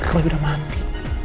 roy udah mati